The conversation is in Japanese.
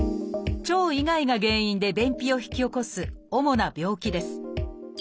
腸以外が原因で便秘を引き起こす主な病気です。